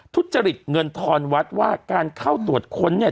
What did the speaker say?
ทุจริตเงินทอนวัดว่าการเข้าตรวจค้นเนี่ย